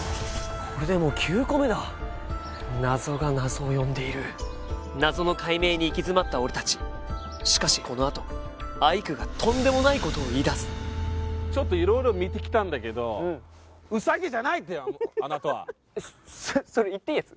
これでもう９個目だ謎が謎を呼んでいる謎の解明に行き詰まった俺達しかしこのあとアイクがとんでもないことを言いだすちょっと色々見てきたんだけどうんあなたはそれ言っていいやつ？